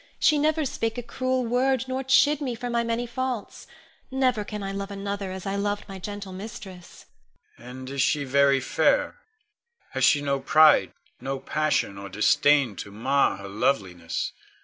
She never spake a cruel word, nor chid me for my many faults. Never can I love another as I loved my gentle mistress. Con. And is she very fair? Has she no pride, no passion or disdain to mar her loveliness?